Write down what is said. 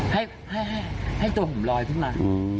ให้ตัวหุ่มรอยทั่วมา